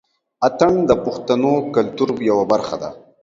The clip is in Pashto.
اتڼ د پښتنو کلتور يوه برخه دى.